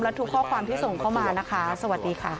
และทุกข้อความที่ส่งเข้ามานะคะสวัสดีค่ะ